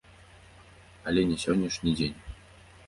Але не сённяшні дзень.